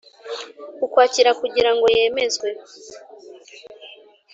Ukwakira kugira ngo yemezwe